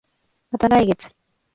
また来月